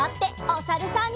おさるさん。